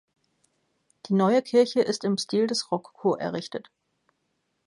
Die neue Kirche ist im Stil des Rokoko errichtet.